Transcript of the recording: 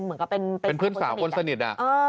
เหมือนกับเป็นเพื่อนสาวคนสนิท